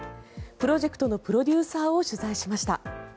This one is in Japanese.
プロジェクトのプロデューサーを取材しました。